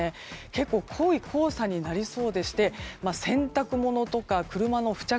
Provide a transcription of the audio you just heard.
結構、濃い黄砂になりそうでして洗濯物とか車の付着